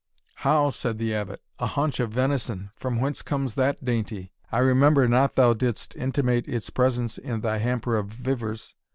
"How!" said the Abbot, "a haunch of venison! from whence comes that dainty? I remember not thou didst intimate its presence in thy hamper of vivers."